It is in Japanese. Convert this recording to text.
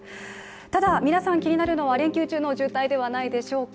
ただ、皆さん気になるのは連休中の渋滞ではないでしょうか。